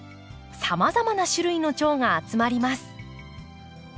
さまざまな種類のチョウが集まります。